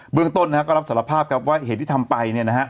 เบื้องต้นนะฮะก็รับสารภาพว่าเหตุที่ทำไปเนี่ยนะฮะ